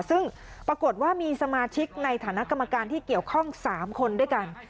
ซึ่งปรากฏว่ามีสมาชิกในฐานะกรรมการที่เกี่ยวข้อง๓คนด้วยกัน